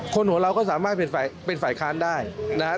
คนหัวเราก็สามารถเป็นฝ่ายค้านได้นะฮะ